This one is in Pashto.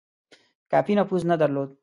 کافي نفوذ نه درلود.